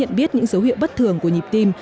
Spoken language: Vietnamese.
nhận biết những dấu hiệu bất thường của nhịp tim